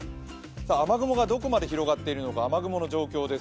雨雲がどこまで広がっているのか雨雲の状況です。